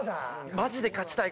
マジで勝ちたい。